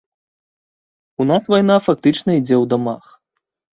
У нас вайна фактычна ідзе ў дамах.